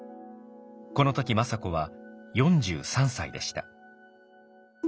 この時政子は４３歳でした。